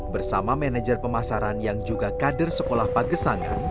bersama manajer pemasaran yang juga kader sekolah pagesangan